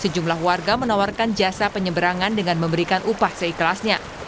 sejumlah warga menawarkan jasa penyeberangan dengan memberikan upah seikhlasnya